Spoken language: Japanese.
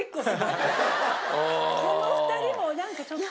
この２人もなんかちょっと。